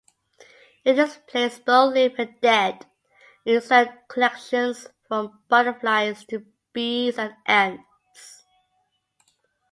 It displays both live and dead insect collections, from butterflies to bees and ants.